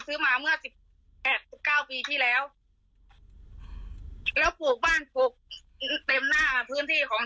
ซื้อมาเมื่อสิบแปดสิบเก้าปีที่แล้วแล้วปลูกบ้านปลูกเต็มหน้าพื้นที่ของ